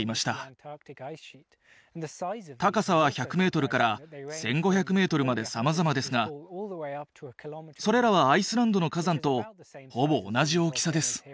高さは１００メートルから１，５００メートルまでさまざまですがそれらはアイスランドの火山とほぼ同じ大きさです。